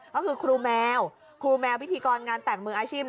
ก็คือครูแมวพี่ทีกรงานแต่งมืออาชีพ